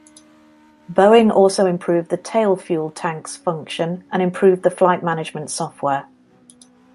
Boeing also improved the tail fuel tank's function and improved the flight management software.